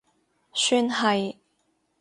算係